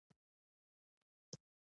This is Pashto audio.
له وخت مخکې سپینېدل بلل کېدای شي.